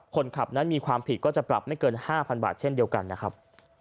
คนขับนั้นมีความผิดก็จะปรับไม่เกิน๕๐๐บาทเช่นเดียวกันนะครับ